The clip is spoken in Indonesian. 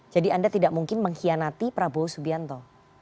jadi anda tidak mungkin mengkhianati prabowo subianto